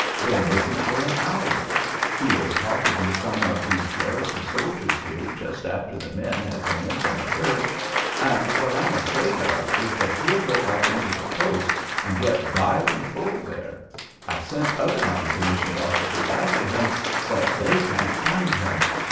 "Been missing for an hour. He was talking with some of these garrison soldiers here just after the men had come in from the herd, and what I'm afraid of is that he'll go up into the post and get bilin' full there. I've sent other non commissioned officers after him, but they cannot find him.